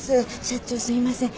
社長すいません。